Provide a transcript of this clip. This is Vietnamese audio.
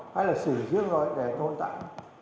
hay là xử lý trước rồi để tôn tạo